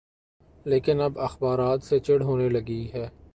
لیکن اب اخبارات سے چڑ ہونے لگی ہے۔